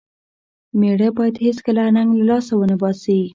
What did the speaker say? مېړه بايد هيڅکله ننګ له لاسه و نه باسي.